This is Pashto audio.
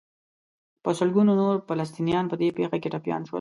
په سلګونو نور فلسطینیان په دې پېښه کې ټپیان شول.